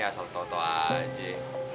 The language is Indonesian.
asal tau tau aja